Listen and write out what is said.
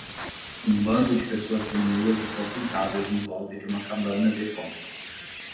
Um bando de pessoas seminuas estão sentadas em volta de uma cabana de troncos